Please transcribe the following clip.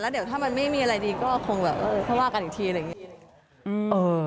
เดี๋ยวถ้ามันไม่มีอะไรดีก็คงแบบเออค่อยว่ากันอีกทีอะไรอย่างนี้